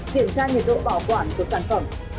kiểm tra nhiệt độ bảo quản của sản phẩm